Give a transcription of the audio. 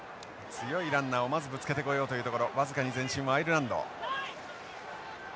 強いランナーをまずぶつけてこようというところ僅かに前進はアイルランド。